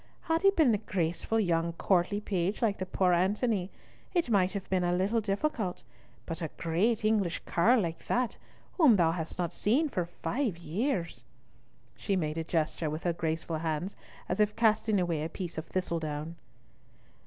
Had he been a graceful young courtly page like the poor Antony, it might have been a little difficult, but a great English carle like that, whom thou hast not seen for five years—" She made a gesture with her graceful hands as if casting away a piece of thistledown.